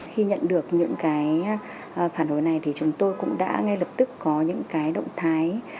khi nhận được những cái phản hồi này thì chúng tôi cũng đã ngay lập tức có những cái động thái